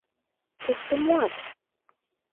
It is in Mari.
— Кушто муат?